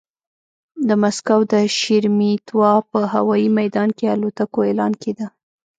د مسکو د شېرېمېتوا په هوايي ميدان کې الوتکو اعلان کېده.